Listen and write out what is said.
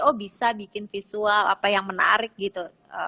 oh bisa bikin visual apa yang menarik gitu